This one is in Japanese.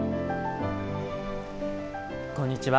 こんにちは。